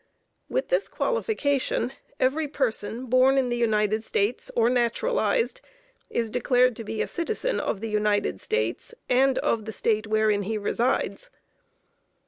With this qualification every person born in the United States or naturalized is declared to be a citizen of the United States, and of the State wherein he resides.